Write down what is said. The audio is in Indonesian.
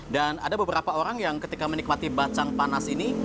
dan ada beberapa orang yang ketika menikmati bacang panas ini